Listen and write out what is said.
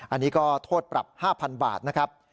อันนี้ก็โทษปรับ๕๐๐๐บาทนะครับ